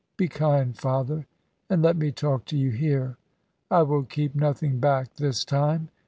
Be kind, Father, and let me talk to you here. I will keep nothing back this time.